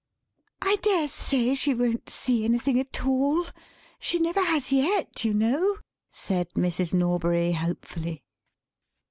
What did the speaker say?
"I daresay she won't see anything at all; she never has yet, you know," said Mrs. Norbury hopefully.